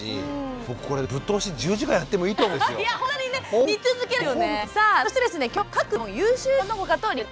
僕これねぶっ通し１０時間やってもいいと思うんですよ。